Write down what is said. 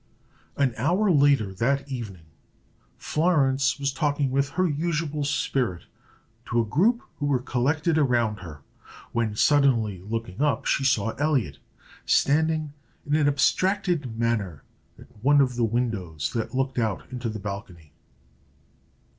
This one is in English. An hour later, that evening, Florence was talking with her usual spirit to a group who were collected around her, when, suddenly looking up, she saw Elliot, standing in an abstracted manner, at one of the windows that looked out into the balcony.